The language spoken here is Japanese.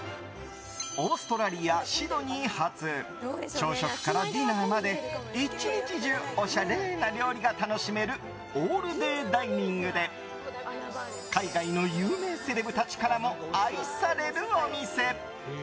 オーストラリア・シドニー発朝食からディナーまで１日中、おしゃれな料理が楽しめるオールデイダイニングで海外の有名セレブたちからも愛されるお店。